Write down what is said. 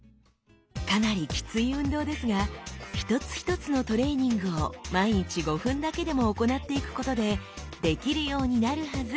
かなりきつい運動ですが一つ一つのトレーニングを毎日５分だけでも行っていくことでできるようになるはず。